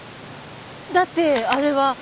だってあれは。